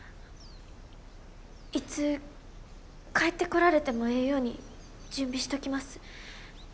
いつ帰ってこられてもええように準備しときます。